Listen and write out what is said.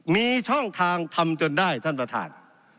มีช่องทางทำจนได้ท่านประธาน